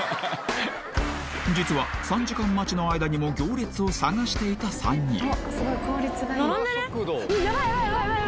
実は３時間待ちの間にも行列を探していた３人並んでね？